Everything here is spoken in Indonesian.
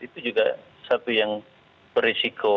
itu juga satu yang berisiko